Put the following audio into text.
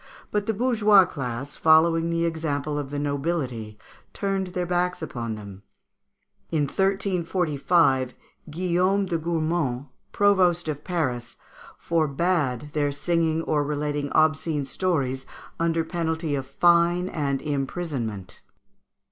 173), but the bourgeois class, following the example of the nobility, turned their backs upon them. In 1345 Guillaume de Gourmont, Provost of Paris, forbad their singing or relating obscene stories, under penalty of fine and imprisonment.